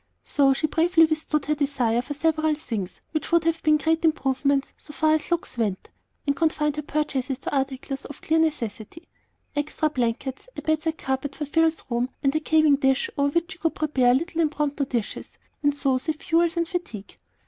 So she bravely withstood her desire for several things which would have been great improvements so far as looks went, and confined her purchases to articles of clear necessity, extra blankets, a bedside carpet for Phil's room, and a chafing dish over which she could prepare little impromptu dishes, and so save fuel and fatigue.